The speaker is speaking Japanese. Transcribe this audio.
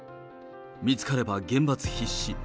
見つかれば厳罰必至。